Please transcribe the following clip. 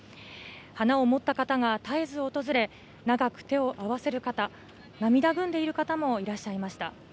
花を持った方が絶えず訪れ、長く手を合わせる方、涙ぐんでいる方もいらっしゃいました。